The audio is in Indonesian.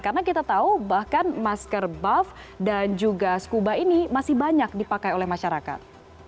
karena kita tahu bahkan masker buff dan juga scuba ini masih banyak dipakai oleh masyarakat